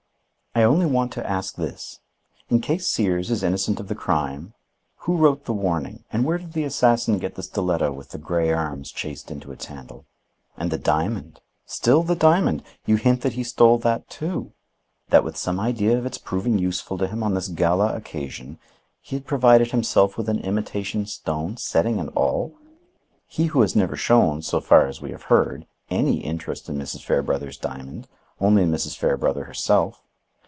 "I only want to ask this. In case Sears is innocent of the crime, who wrote the warning and where did the assassin get the stiletto with the Grey arms chased into its handle? And the diamond? Still the diamond! You hint that he stole that, too. That with some idea of its proving useful to him on this gala occasion, he had provided himself with an imitation stone, setting and all,—he who has never shown, so far as we have heard, any interest in Mrs. Fairbrother's diamond, only in Mrs. Fairbrother herself.